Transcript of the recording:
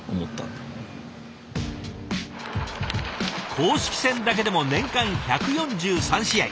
公式戦だけでも年間１４３試合。